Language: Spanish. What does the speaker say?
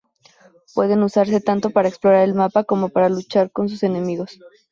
Pueden usarse tanto para explorar el mapa como para luchar contra enemigos.